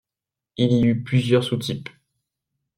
Il y eut plusieurs sous-types.